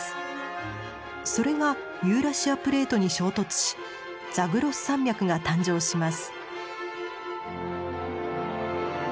それがユーラシアプレートに衝突しザグロス山脈が誕生します。